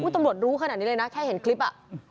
ตำรวจรู้ขนาดนี้เลยนะแค่เห็นคลิป